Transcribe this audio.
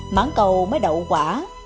mãn cầu mới đậu quả